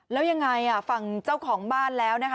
แล้วยังไงฝั่งเจ้าของบ้านแล้วนะคะ